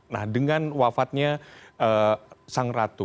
nah dengan wafatnya sang ratu